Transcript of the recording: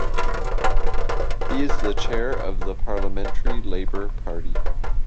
He is the Chair of the Parliamentary Labour Party.